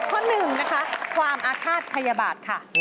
ข้อหนึ่งนะคะความอาฆาตพยาบาทค่ะ